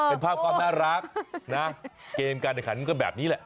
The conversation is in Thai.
เป็นภาพความน่ารักนะเกมการแข่งขันก็แบบนี้แหละ